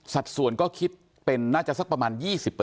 สัดส่วนก็คิดเป็นน่าจะสักประมาณ๒๐